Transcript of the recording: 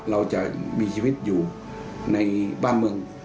เราจะมีชีวิตอยู่ในบ้านเมือง